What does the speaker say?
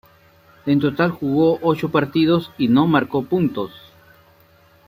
En total jugó ocho partidos y no marcó puntos.